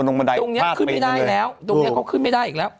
ต้องยังเข้าขึ้นไม่ได้อีกแล้ว